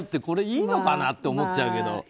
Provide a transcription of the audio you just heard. これ、いいのかなって思っちゃうけど。